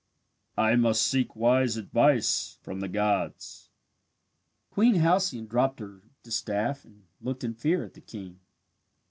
I must seek wise advice from the gods." Queen Halcyone dropped her distaff and looked in fear at the king.